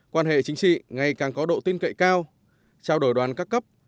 quan hệ chính trị ngày càng có độ tin cậy cao trao đổi đoàn các cấp